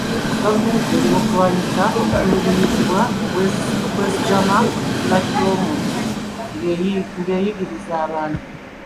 Gavumenti eri mu kulwanyisa okutulugunyizibwa okwesigama ku kikula ky'omuntu ng'eyigiriza abantu.